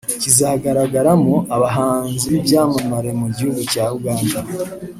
kizagaragaramo abahanzi b’ibyamamare mu guhugu cya Uganda